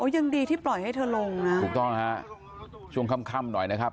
ยังดีที่ปล่อยให้เธอลงนะถูกต้องฮะช่วงค่ำหน่อยนะครับ